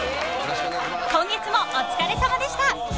［今月もお疲れさまでした］